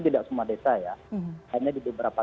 tidak semua desa ya hanya di beberapa